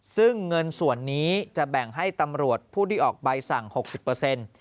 ซึ่งเงินส่วนนี้จะแบ่งให้ตำรวจผู้ที่ออกใบสั่ง๖๐เปอร์เซ็นต์